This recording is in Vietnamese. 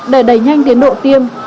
để đẩy nhanh tiến độ tiêm